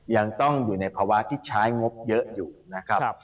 ยังต้องอยู่ในภาวะที่ใช้งบเยอะอยู่นะครับ